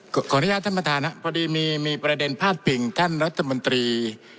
ขออนุญาตท่านประธานครับพอดีมีประเด็นพาดพิงท่านรัฐมนตรี